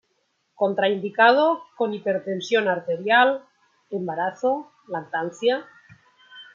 Contraindicado con hipertensión arterial, embarazo, lactancia.